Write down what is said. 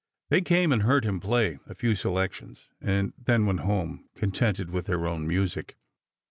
They came and heard him play a few selections and then they went home contented with their own music.